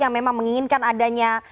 yang memang menginginkan adanya